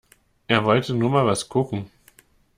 Er wollte nur mal was gucken.